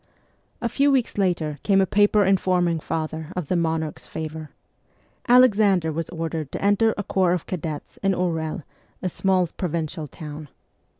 A few weeks later came a paper informing father of the 'monarch's favour. 1 Alexander was ordered to enter a corps of cadets in Orel, a small provincial town.